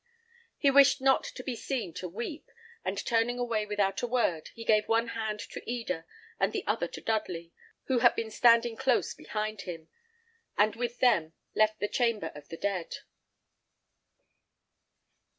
He wished not to be seen to weep; and turning away without a word, he gave one hand to Eda, and the other to Dudley, who had been standing close behind him, and with them left the chamber of the dead.